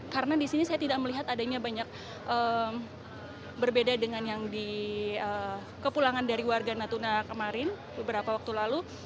karena disini saya tidak melihat adanya banyak berbeda dengan yang di kepulangan dari warga natuna kemarin beberapa waktu lalu